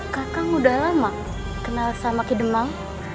kakang udah lama kenal sama kidemang